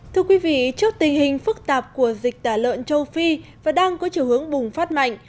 thưa quý vị trước tình hình phức tạp của dịch tả lợn châu phi và đang có chiều hướng bùng phát mạnh